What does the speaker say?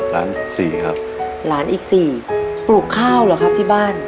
ล้านอีก๔บุกข้าวเหรอครับที่บ้าน